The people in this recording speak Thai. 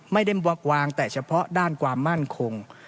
ไม่ได้วางแต่เฉพาะด้านความมั่นคง